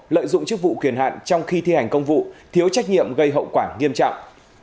lợi dụng chức vụ quyền hạn trong khi thi hành công vụ thiếu trách nhiệm gây hậu quả nghiêm trọng